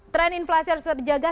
tren inflasi harus dijaga